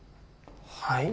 はい？